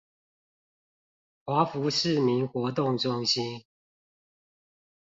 華福市民活動中心